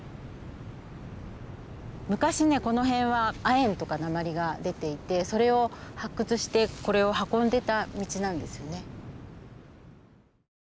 昔ねこの辺は亜鉛とか鉛が出ていてそれを発掘してこれを運んでた道なんですよね。